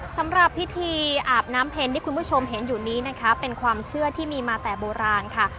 สำหรับพิธีอาบน้ำเพ็ญที่คุณผู้ชมเห็นอยู่นี้นะคะเป็นความเชื่อที่มีมาแต่โบราณค่ะ